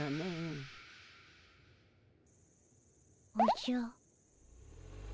おじゃ。